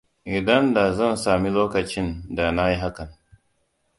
Idan da zan sami lokacin, da na yi hakan.